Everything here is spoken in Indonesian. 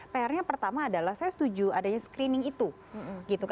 pr nya pertama adalah saya setuju adanya screening itu